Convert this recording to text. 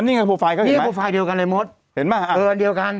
นี่คือโพลไฟล์เดียวกันเลยมดเดียวกัน